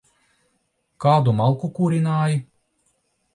Kādu malku kurināji?